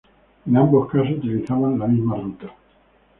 En ambos casos utilizaban la misma ruta.